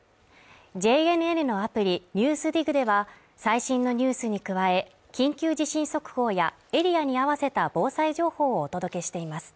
ＪＮＮのアプリ「ＮＥＷＳＤＩＧ」では最新のニュースに加え、緊急地震速報やエリアに合わせた防災情報をお届けしています。